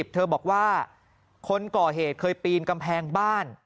เธอบอกว่าคนก่อเหตุเคยปีนกำแพงบ้าน